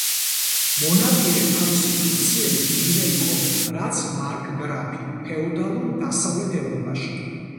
მონაპირე თავისი ფუნქციებით იგივე იყო, რაც მარკგრაფი ფეოდალურ დასავლეთ ევროპაში.